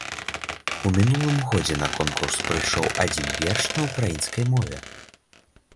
У мінулым годзе на конкурс прыйшоў адзін верш на ўкраінскай мове.